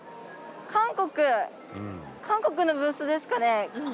韓国韓国のブースですかね。